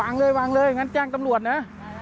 แล้วยกไปทำไม